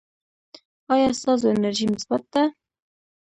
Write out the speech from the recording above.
ایا ستاسو انرژي مثبت ده؟